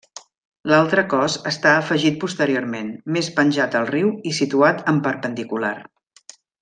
L'altre cos està afegit posteriorment, més penjat al riu i situat en perpendicular.